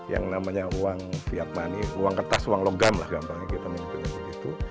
yang namanya uang viat money uang kertas uang logam lah gampangnya kita menghitung begitu